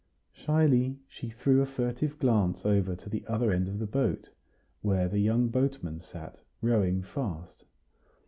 Shyly she threw a furtive glance over to the other end of the boat, where the young boatman sat, rowing fast.